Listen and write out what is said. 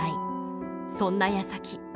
そんなやさき。